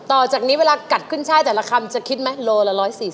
ต่อจากนี้เวลากัดขึ้นช่ายแต่ละคำจะคิดไหมโลละ๑๔๐